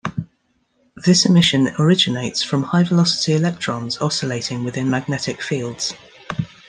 This emission originates from high-velocity electrons oscillating within magnetic fields.